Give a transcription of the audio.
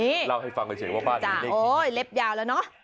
นี่รูปใหม่เราให้ฟังกันเฉยว่าบ้านนี้คือจ้าโ้้เล็บยาวแล้วเนาะ